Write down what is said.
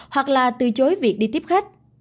hoặc là từ chối việc đi tiếp khách